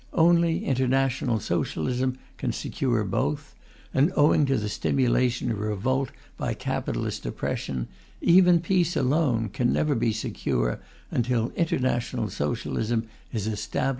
Only international Socialism can secure both; and owing to the stimulation of revolt by capitalist oppression, even peace alone can never be secure until international Socialism is established throughout the world.